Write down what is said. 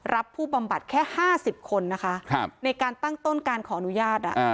รับผู้บำบัดแค่๕๐คนนะคะในการตั้งต้นการขออนุญาต